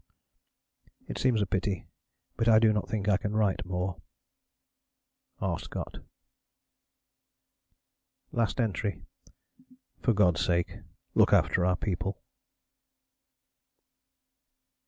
"It seems a pity, but I do not think I can write more. R. SCOTT." Last entry. "For God's sake, look after our people."